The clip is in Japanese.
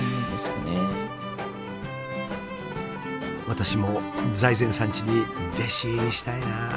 私も財前さんちに弟子入りしたいなあ。